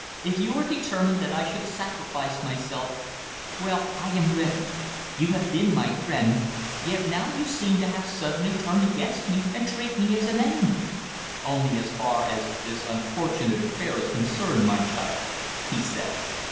If you are determined that I should sacrifice myself well, I am ready. You have been my friend yet now you seem to have suddenly turned against me, and treat me as an enemy." "Only as far as this unfortunate affair is concerned, my child," he said.